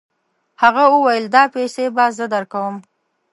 هغه وویل دا پیسې به زه درکوم.